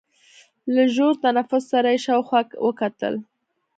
له ژور تنفس سره يې شاوخوا وکتل.